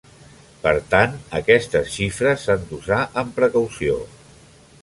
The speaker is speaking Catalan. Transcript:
Per tant, aquestes xifres s'han d'usar amb precaució.